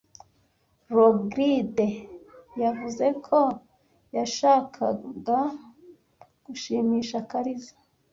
Rogride yavuze ko yashakaga gushimisha Kariza .